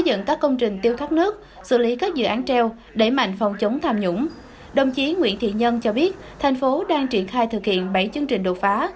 đồng chí nguyễn thiện nhân cho biết thành phố đang triển khai thực hiện bảy chương trình đột phá